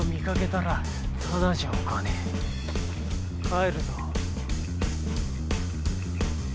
帰るぞ。